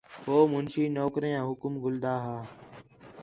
ہو مُنشی نوکریں وا کم گھلدا ہا